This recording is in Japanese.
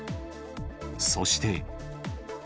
そして。